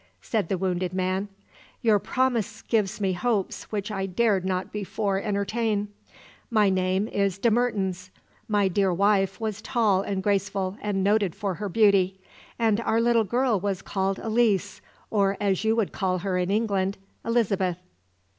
said the wounded man. "Your promise gives me hopes which I dared not before entertain. My name is De Mertens. My dear wife was tall and graceful, and noted for her beauty, and our little girl was called Elise, or, as you would call her in England, Elizabeth."